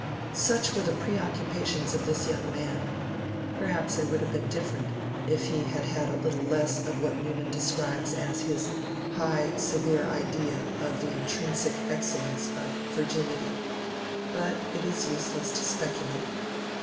Such were the preoccupations of this young man. Perhaps they would have been different, if he had had a little less of what Newman describes as his 'high severe idea of the intrinsic excellence of Virginity'; but it is useless to speculate.